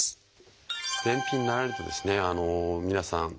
便秘になられると皆さん